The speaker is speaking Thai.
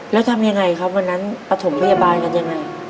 แล้วทำยังไงครับวันนั้นปฐมพยาบาลกันยังไง